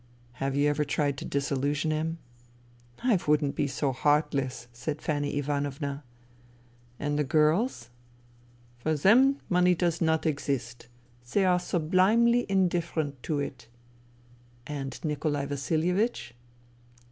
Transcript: " Have you ever tried to disillusion him ?"" I wouldn't be so heartless," said Fanny Ivanovna. " And the girls ?"" For them money does not exist. They are sublimely indifferent to it." THE THREE SISTERS 43 " And Nikolai Vasilievich